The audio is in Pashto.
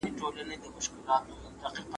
د درنې مرګ ژوبلي رپوټونه ورکوي `